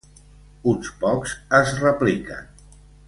Uns pocs es repliquen.